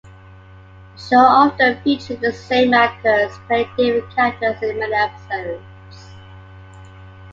The show often featured the same actors playing different characters in many episodes.